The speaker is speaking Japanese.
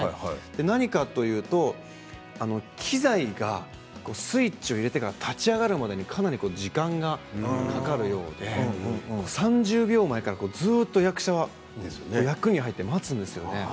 なぜかというと機材がスイッチを入れてから立ち上がるまでかなり時間がかかるので３０秒前から、ずっと役者は役に入って待つんですよ。